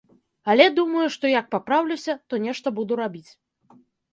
Але думаю, што як папраўлюся, то нешта буду рабіць.